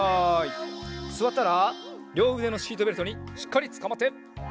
すわったらりょううでのシートベルトにしっかりつかまって。